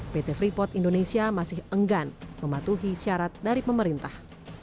pt freeport indonesia masih enggan mematuhi syarat dari pemerintah